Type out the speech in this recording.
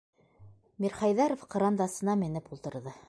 - Мирхәйҙәров кырандасына менеп ултырҙы.